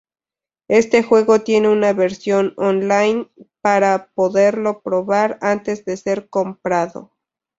Este juego tiene una versión online para poderlo probar antes de ser comprado.